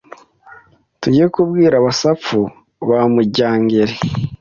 Tujye kubwira abasapfu ba Mujyangeri